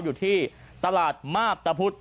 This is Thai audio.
อยู่ที่ตลาดมาบตะพุทธ